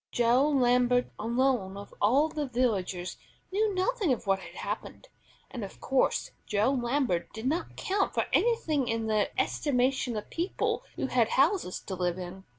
Joe Lambert alone of all the villagers knew nothing of what had happened; and of course Joe Lambert did not count for anything in the estimation of people who had houses to live in.